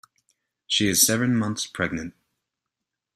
She is seven months pregnant.